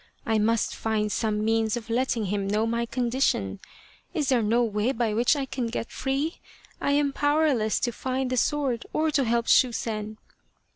I must find some means of letting him know my condition. Is there no way by which I can get free ? I am powerless to find the sword or to help Shusen."